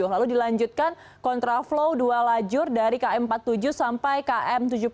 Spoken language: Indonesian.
lalu dilanjutkan kontraflow dua lajur dari km empat puluh tujuh sampai km tujuh puluh